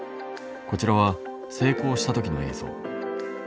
こちらは成功した時の映像。